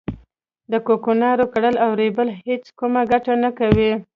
د کوکنارو کرل او رېبل هیڅ کومه ګټه نه کوي